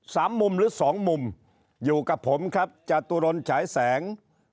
สามมุมหรือสองมุมอยู่กับผมครับจตุรนฉายแสง